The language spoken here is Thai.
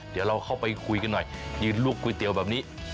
เดี๋ยวเราเข้าไปคุยกันหน่อยยืนลูกก๋วยเตี๋ยวแบบนี้